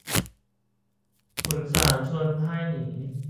ขุนสามชนพ่ายหนี